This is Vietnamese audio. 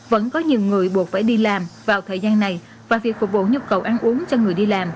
vẫn có nhiều người buộc phải đi làm vào thời gian này và việc phục vụ nhu cầu ăn uống cho người đi làm